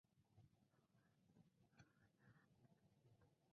Estudió Filosofía e Historia del Arte.